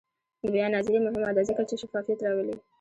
د بیان ازادي مهمه ده ځکه چې شفافیت راولي.